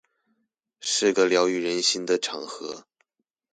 是個療癒人心的場合